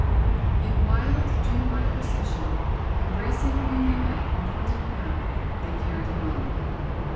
In wild dreamlike procession, embracing whom they met and pointing him out, they carried him on.